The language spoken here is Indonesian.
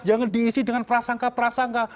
jangan diisi dengan prasangka prasangka